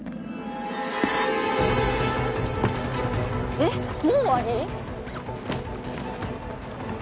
えっもう終わり？